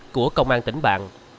của công an tỉnh bạn